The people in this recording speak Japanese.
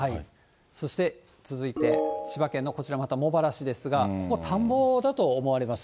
そして、続いて千葉県の、こちらまた茂原市ですが、ここ、田んぼだと思われます。